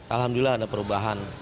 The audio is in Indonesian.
alhamdulillah ada perubahan